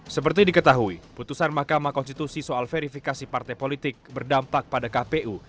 seperti diketahui putusan mahkamah konstitusi soal verifikasi partai politik berdampak pada kpu